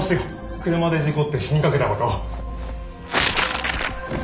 車で事故って死にかけたこと。